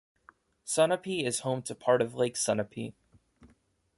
Sunapee is home to part of Lake Sunapee.